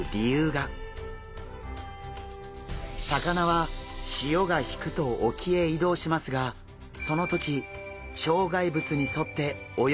魚は潮が引くと沖へ移動しますがその時障害物に沿って泳ぐ習性があります。